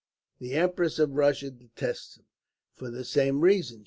The Empress of Russia detests him, for the same reason.